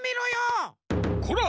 こら！